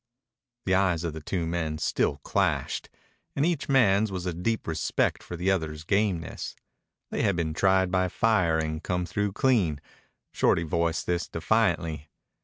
The eyes of the two men still clashed. In each man's was a deep respect for the other's gameness. They had been tried by fire and come through clean. Shorty voiced this defiantly.